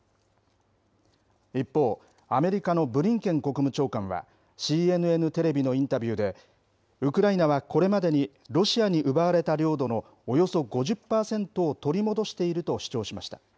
一方、アメリカのブリンケン国務長官は、ＣＮＮテレビのインタビューで、ウクライナはこれまでにロシアに奪われた領土のおよそ５０％を取り戻していると主張しました。